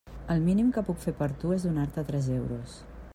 El mínim que puc fer per tu és donar-te tres euros.